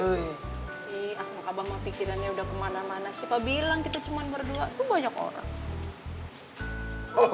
iya maka bang pikirannya udah kemana mana siapa bilang kita cuman berdua tuh banyak orang